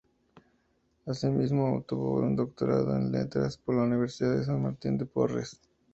Asimismo, obtuvo un doctorado en Letras por la Universidad de San Martín de Porres.